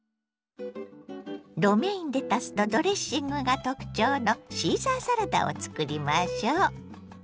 ロメインレタスとドレッシングが特徴のシーザーサラダをつくりましょ。